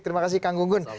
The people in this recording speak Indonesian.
terima kasih kang gunggun